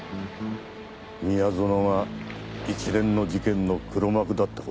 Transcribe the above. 宮園が一連の事件の黒幕だって事を。